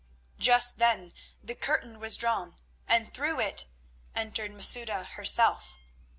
Just then the curtain was drawn, and through it entered Masouda herself.